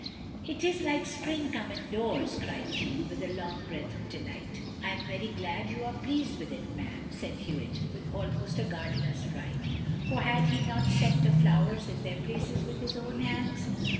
"It is like spring come indoors!" cried Jeanne, with a long breath of delight. "I am very glad you are pleased with it, ma'am, " said Hewitt, with almost a gardener's pride — ^for had he not set the flowers in their places with his own hands?